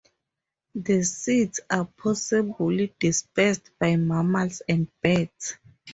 The seeds are possibly dispersed by mammals and birds.